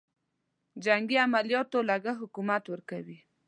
جنګي عملیاتو لګښت حکومت ورکوي.